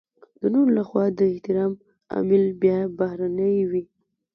د نورو لخوا د احترام عامل بيا بهرنی وي.